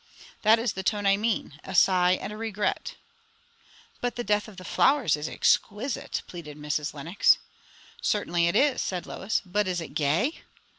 That is the tone I mean; a sigh and a regret." "But the 'Death of the Flowers' is exquisite," pleaded Mrs. Lenox. "Certainly it is," said Lois; "but is it gay?